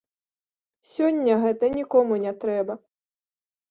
Сёння гэта нікому не трэба.